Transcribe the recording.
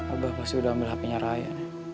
abah pasti udah ambil hapenya raya